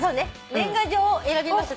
「年賀状」を選びました